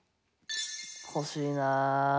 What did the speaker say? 欲しいな。